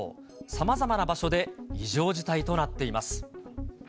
さまざまな場所で異常事態となっています。